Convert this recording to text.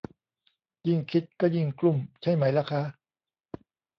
ยิ่งคิดก็ยิ่งกลุ้มใช่ไหมล่ะคะ